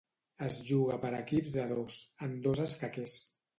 Es juga per equips de dos, en dos escaquers.